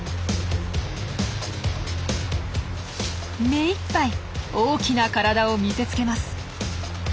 目いっぱい大きな体を見せつけます。